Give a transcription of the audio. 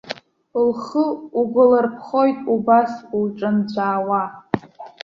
Лхы угәалырԥхоит убас улҿынҵәаауа.